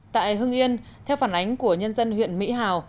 tại hưng yên theo phản ánh của nhân dân huyện mỹ hào